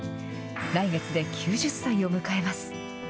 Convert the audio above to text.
来月で９０歳を迎えます。